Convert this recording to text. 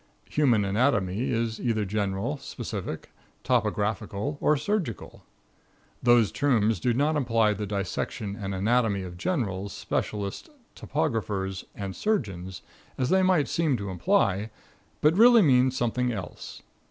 Human anatomy is either general, specific, topographical or surgical. Those terms do not imply the dissection and anatomy of generals, specialists, topographers and surgeons, as they might seem to imply, but really mean something else.